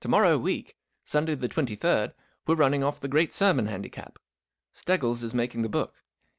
To morrow wreck— Sunday the twenty third—we're running off the great Sermon Handicap. Steggles is making the book.